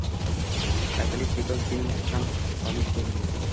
Aytaylik, Chaykovskiyning ham homiysi bo‘lmagan